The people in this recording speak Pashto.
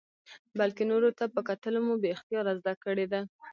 بلکې نورو ته په کتلو مو بې اختیاره زده کړې ده.